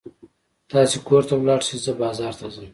تاسې کور ته ولاړ شئ، زه بازار ته ځم.